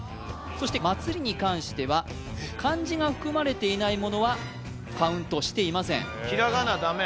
そして「祭」に関しては漢字が含まれていないものはカウントしていませんひらがなダメ？